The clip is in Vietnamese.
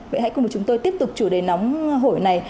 vậy hãy cùng chúng tôi tiếp tục chủ đề nóng hổi này